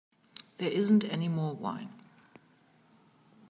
There isn't any more wine.